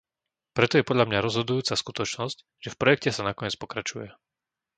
Preto je podľa mňa rozhodujúca skutočnosť, že v projekte sa nakoniec pokračuje.